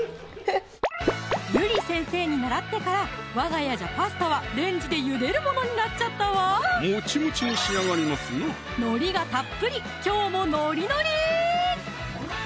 ゆり先生に習ってからわが家じゃパスタはレンジでゆでるものになっちゃったわモチモチに仕上がりますなのりがたっぷりきょうもノリノリー！